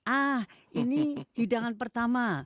ah ini hidangan pertama